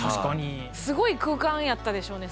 すごい空間やったでしょうね。